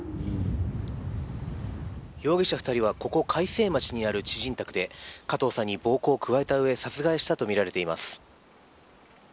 容疑者２人はここ開成町にある知人宅で加藤さんに暴行を加えたうえ殺害したとみられています。